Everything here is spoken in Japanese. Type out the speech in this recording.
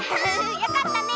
よかったね。